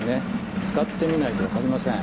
使ってみないと分かりません。